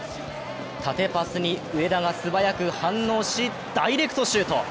縦パスに上田が素早く反応し、ダイレクトシュート。